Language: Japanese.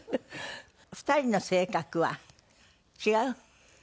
２人の性格は違う？